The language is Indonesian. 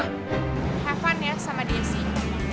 have fun ya sama dia sih